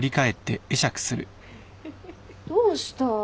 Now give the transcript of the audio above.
どうした？